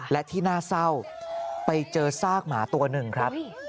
และที่น่าเศร้าไปเจอซากหมาตัวหนึ่งครับ